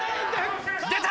出た！